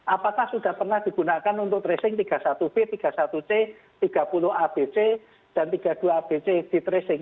apakah sudah pernah digunakan untuk tracing tiga puluh satu b tiga puluh satu c tiga puluh abc dan tiga puluh dua abc di tracing